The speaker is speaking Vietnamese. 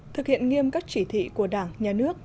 thực hiện nghiêm các chỉ thị của đảng nhà nước